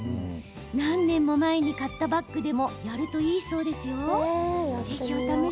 何年も前に買ったバッグでもやるといいそうですよ。